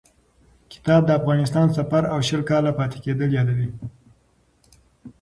کتاب د افغانستان سفر او شل کاله پاتې کېدل یادوي.